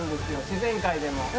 自然界でも。